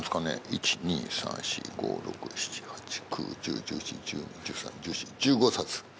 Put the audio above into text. １２３４５６７８９１０１１１２１３１４１５冊。